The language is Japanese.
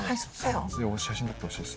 写真撮ってほしいです。